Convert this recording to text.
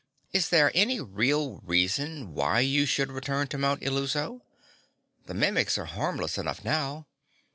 Is there any real reason why you should return to Mount Illuso? The Mimics are harmless enough now.